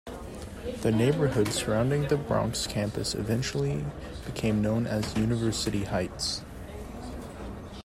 The neighborhood surrounding the Bronx campus eventually became known as University Heights.